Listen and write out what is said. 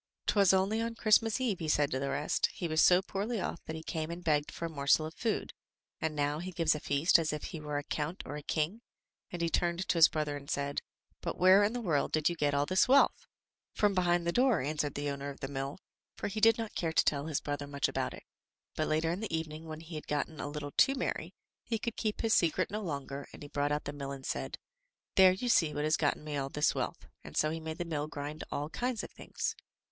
*"Twas only on Christmas eve," he said to the rest, "he was so poorly off that he came and begged for a morsel of food, and now he gives a feast as if he were a count or a king," and he turned to his brother and said, "But where in the world did you get all this wealth?" "From behind the door," answered the owner of the mill, for he did not care to tell his brother much about it. But later in the evening, when he had gotten a little too merry, he could keep his secret no longer, and he brought out the mill and said: "There you see what has gotten me all this wealth," and so he made the mill grind all kinds of things.